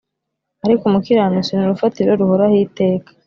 Ariko umukiranutsi ni urufatiro ruhoraho iteka